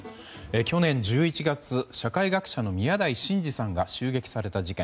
去年１１月社会学者の宮台真司さんが襲撃された事件。